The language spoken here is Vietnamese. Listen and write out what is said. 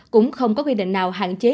cũng không có quy định nào hạn chế